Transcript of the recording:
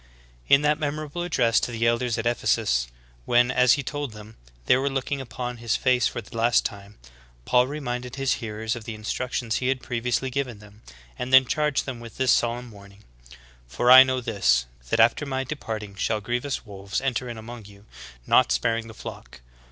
In that memorable address to the elders at Ephesus, when, as he told them, they were looking upon his face for the last time, Paul reminded his hearers of the instructions he had previously given them, and then charged them with this solemn warning: "For I know this, that after my de parting shall grievous wolves enter in among you, not spar ing the flock.